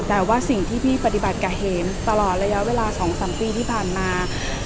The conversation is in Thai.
แต่ว่าสิ่งที่พี่ปฏิบัติกับเห็มตลอดระยะเวลา๒๓ปีที่ผ่านมา